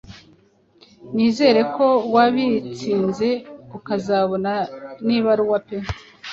nizere ko wabitsinze ukazabona n’ibaruwa pe!